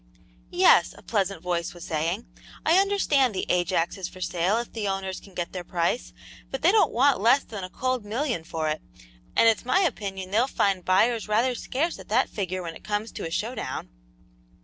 "Yes," a pleasant voice was saying, "I understand the Ajax is for sale if the owners can get their price, but they don't want less than a cold million for it, and it's my opinion they'll find buyers rather scarce at that figure when it comes to a show down."